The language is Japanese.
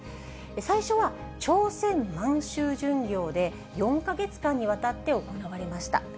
最初は朝鮮・満州巡業で、４か月間にわたって行われました。